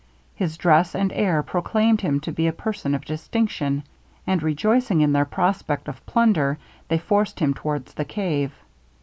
His dress and air proclaimed him to be a person of distinction; and, rejoicing in their prospect of plunder, they forced him towards the cave.